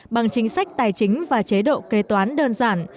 bằng chính sách tài chính và chế độ kế toán đơn giản